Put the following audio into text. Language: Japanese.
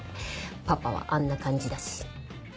パパはあんな感じだし。